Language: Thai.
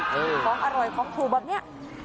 ของอร่อยของถูกแบบนี้